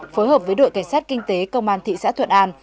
phối hợp với đội cảnh sát kinh tế công an thị xã thuận an